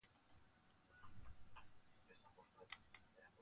Ogiaren gizonak herren egiten zuen urrats bat orgatik urruntzen zitzaionean.